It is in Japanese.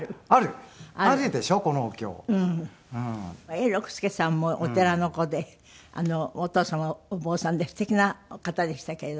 永六輔さんもお寺の子でお父様はお坊さんですてきな方でしたけれども。